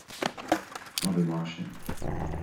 Ná bí mar sin.